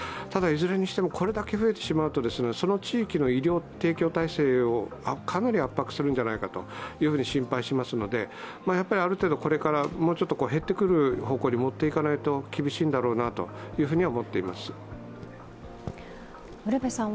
ただ、いずれにしてもこれだけ増えてしまうと、その地域の医療提供体制をかなり圧迫するんじゃないかと心配しますのである程度、これから減ってくる方向に持っていかないと厳しいんだろうなと思っています。